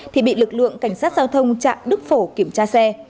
thì bị lực lượng cảnh sát giao thông trạm đức phổ kiểm tra xe